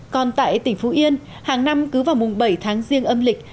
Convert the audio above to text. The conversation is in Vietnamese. còn tại tỉnh phú yên hàng năm cứ vào mùng bảy tháng riêng âm lịch